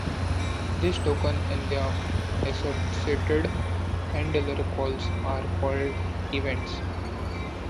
These tokens and their associated handler calls are called "events".